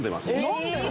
飲んでる？